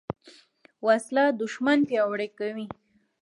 وسله د دوښمن پیاوړي کوي